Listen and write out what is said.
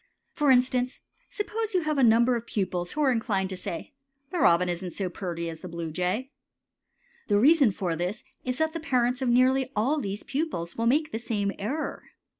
For instance, suppose you have a number of pupils who are inclined to say "The robin isn't so purty as the bluejay." The reason for this is that the parents of nearly all these pupils will make the same error.